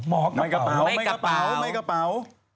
หมอกระเป๋าไม่กระเป๋า